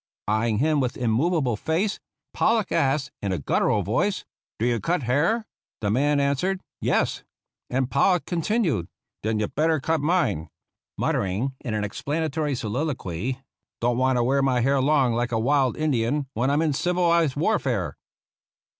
Eying him with immovable face Pollock asked, in a guttural voice, " Do you cut hair "?" The man answered "Yes"; and Pollock contin ued, "Then you'd better cut mine," muttering, in an explanatory soliloquy, " Don't want to wear my hair long like a wild Indian when I'm in civ ilized warfare."